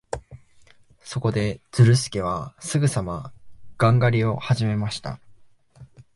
そこで、ズルスケはすぐさまガン狩りをはじめました。